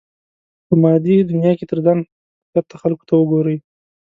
په مادي دنيا کې تر ځان ښکته خلکو ته وګورئ.